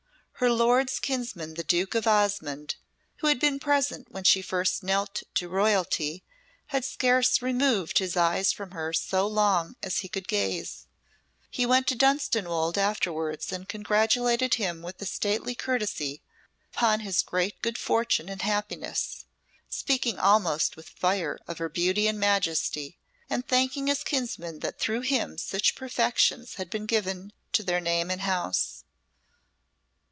Her lord's kinsman the Duke of Osmonde, who had been present when she first knelt to Royalty, had scarce removed his eyes from her so long as he could gaze. He went to Dunstanwolde afterwards and congratulated him with stately courtesy upon his great good fortune and happiness, speaking almost with fire of her beauty and majesty, and thanking his kinsman that through him such perfections had been given to their name and house.